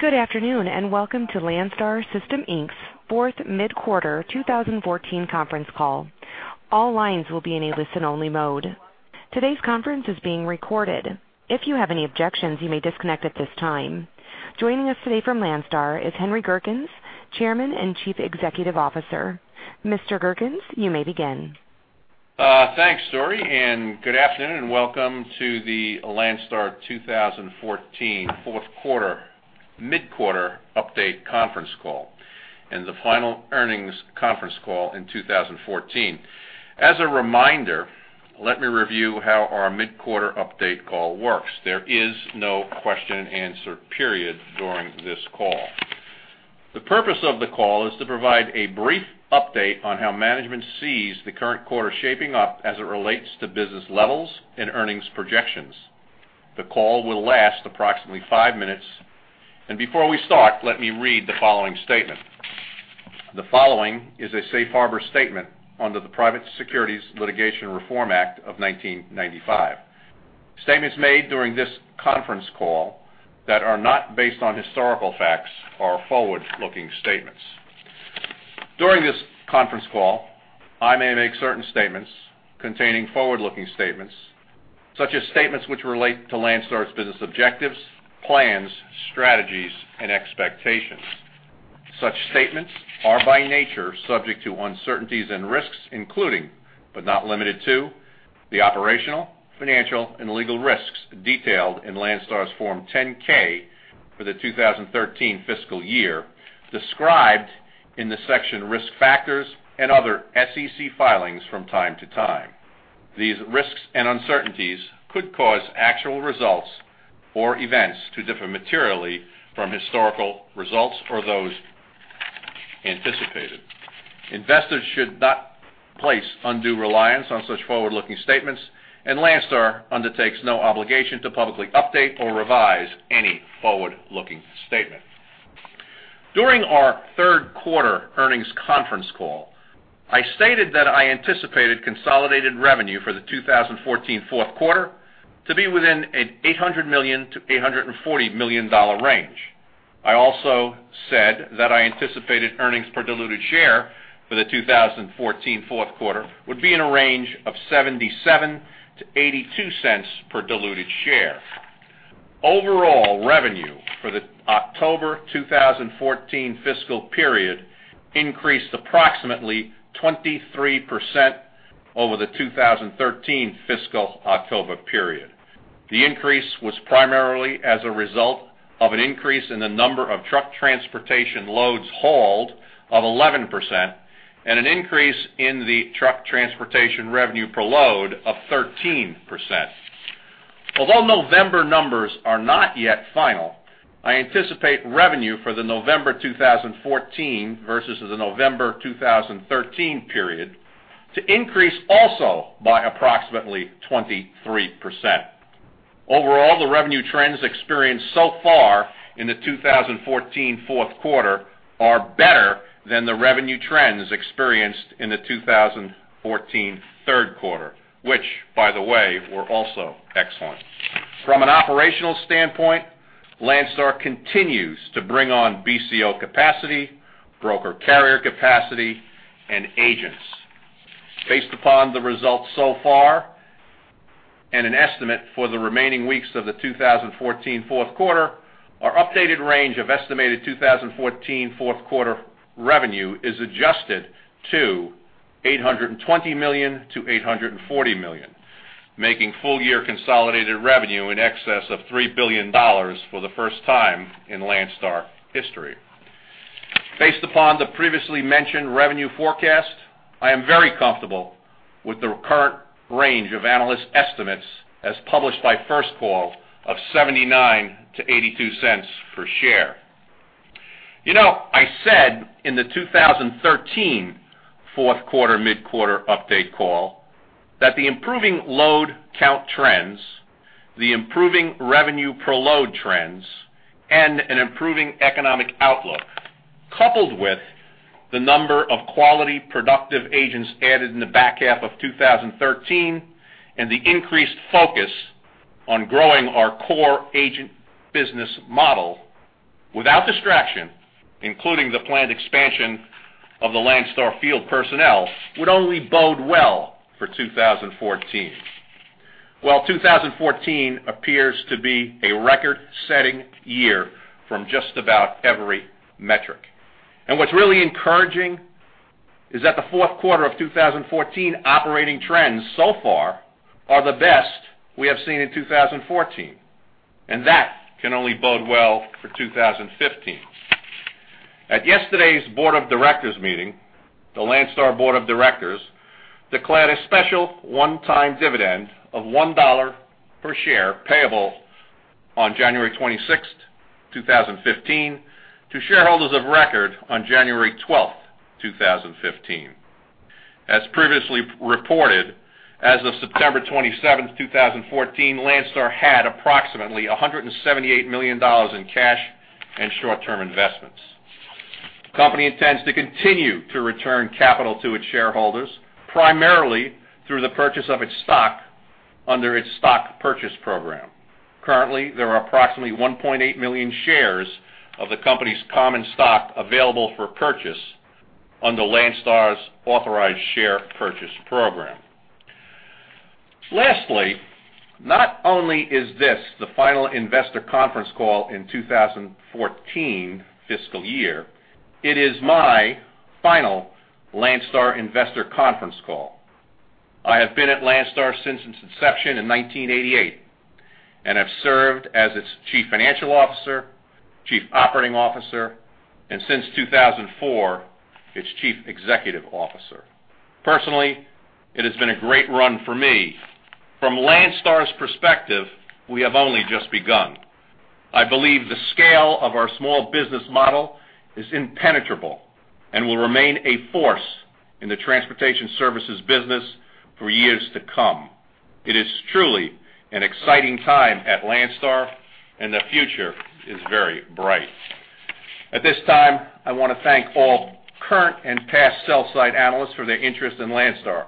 Good afternoon, and welcome to Landstar System, Inc.'s fourth mid-quarter 2014 conference call. All lines will be in a listen-only mode. Today's conference is being recorded. If you have any objections, you may disconnect at this time. Joining us today from Landstar is Henry Gerkens, Chairman and Chief Executive Officer. Mr. Gerkens, you may begin. Thanks, Dory, and good afternoon, and welcome to the Landstar 2014 fourth quarter mid-quarter update conference call, and the final earnings conference call in 2014. As a reminder, let me review how our mid-quarter update call works. There is no question and answer period during this call. The purpose of the call is to provide a brief update on how management sees the current quarter shaping up as it relates to business levels and earnings projections. The call will last approximately 5 minutes, and before we start, let me read the following statement. The following is a safe harbor statement under the Private Securities Litigation Reform Act of 1995. Statements made during this conference call that are not based on historical facts are forward-looking statements. During this conference call, I may make certain statements containing forward-looking statements, such as statements which relate to Landstar's business objectives, plans, strategies, and expectations. Such statements are, by nature, subject to uncertainties and risks, including, but not limited to, the operational, financial, and legal risks detailed in Landstar's Form 10-K for the 2013 fiscal year, described in the section Risk Factors and other SEC filings from time to time. These risks and uncertainties could cause actual results or events to differ materially from historical results or those anticipated. Investors should not place undue reliance on such forward-looking statements, and Landstar undertakes no obligation to publicly update or revise any forward-looking statement. During our third quarter earnings conference call, I stated that I anticipated consolidated revenue for the 2014 fourth quarter to be within an $800 million-$840 million range. I also said that I anticipated earnings per diluted share for the 2014 fourth quarter would be in a range of 77-82 cents per diluted share. Overall, revenue for the October 2014 fiscal period increased approximately 23% over the 2013 fiscal October period. The increase was primarily as a result of an increase in the number of truck transportation loads hauled of 11% and an increase in the truck transportation revenue per load of 13%. Although November numbers are not yet final, I anticipate revenue for the November 2014 versus the November 2013 period to increase also by approximately 23%. Overall, the revenue trends experienced so far in the 2014 fourth quarter are better than the revenue trends experienced in the 2014 third quarter, which, by the way, were also excellent. From an operational standpoint, Landstar continues to bring on BCO capacity, broker carrier capacity, and agents. Based upon the results so far and an estimate for the remaining weeks of the 2014 fourth quarter, our updated range of estimated 2014 fourth quarter revenue is adjusted to $820 million-$840 million, making full year consolidated revenue in excess of $3 billion for the first time in Landstar history. Based upon the previously mentioned revenue forecast, I am very comfortable with the current range of analyst estimates, as published by First Call, of $0.79-$0.82 per share. You know, I said in the 2013 fourth quarter mid-quarter update call that the improving load count trends, the improving revenue per load trends, and an improving economic outlook, coupled with the number of quality, productive agents added in the back half of 2013, and the increased focus on growing our core agent business model without distraction, including the planned expansion of the Landstar field personnel, would only bode well for 2014. Well, 2014 appears to be a record-setting year from just about every metric. What's really encouraging is that the fourth quarter of 2014 operating trends so far are the best we have seen in 2014, and that can only bode well for 2015. At yesterday's Board of Directors meeting, the Landstar Board of Directors declared a special one-time dividend of $1 per share, payable on January 26th, 2015, to shareholders of record on January 12th, 2015. As previously reported, as of September 27th, 2014, Landstar had approximately $178 million in cash and short-term investments. The company intends to continue to return capital to its shareholders, primarily through the purchase of its stock under its stock purchase program. Currently, there are approximately 1.8 million shares of the company's common stock available for purchase under Landstar's authorized share purchase program. Lastly, not only is this the final investor conference call in 2014 fiscal year, it is my final Landstar investor conference call. I have been at Landstar since its inception in 1988, and have served as its Chief Financial Officer, Chief Operating Officer, and since 2004, its Chief Executive Officer. Personally, it has been a great run for me. From Landstar's perspective, we have only just begun. I believe the scale of our small business model is impenetrable and will remain a force in the transportation services business for years to come. It is truly an exciting time at Landstar, and the future is very bright. At this time, I want to thank all current and past sell-side analysts for their interest in Landstar.